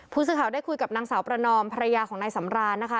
ผู้สื่อข่าวได้คุยกับนางสาวประนอมภรรยาของนายสำรานนะคะ